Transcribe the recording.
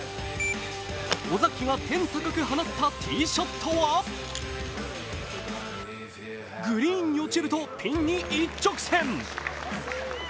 尾崎が天高く放ったティーショットはグリーンに落ちるとピンに一直線！